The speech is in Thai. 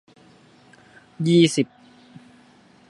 ยี่สิบ